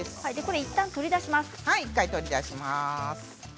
いったん取り出します。